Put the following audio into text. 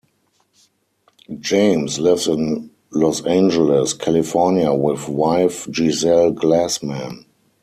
James lives in Los Angeles, California with wife Giselle Glasman.